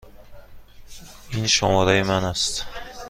این شماره من است.